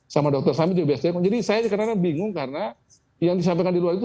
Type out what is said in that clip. sama dr samit juga biasa jadi saya kadang kadang bingung karena yang disampaikan di luar itu